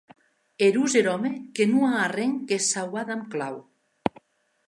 Erós er òme que non a arren que sauvar damb clau!